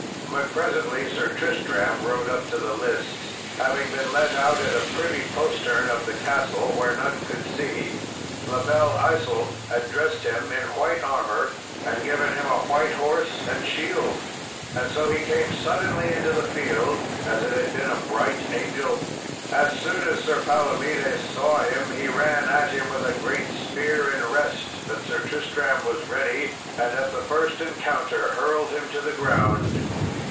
But presently Sir Tristram rode up to the lists, having been let out at a privy postern of the castle, where none could see. La Belle Isault had dressed him in white armour and given him a white horse and shield, and so he came suddenly into the field as it had been a bright angel. As soon as Sir Palomedes saw him he ran at him with a great spear in rest, but Sir Tristram was ready, and at the first encounter hurled him to the ground.